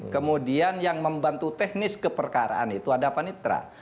kemudian yang membantu teknis keperkaraan itu ada panitra